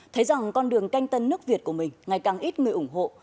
thấy rằng con đường canh tân nước việt của mình ngày càng ít người ủng hộ